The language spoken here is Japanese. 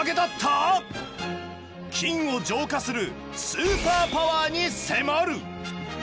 菌を浄化するスーパーパワーに迫る！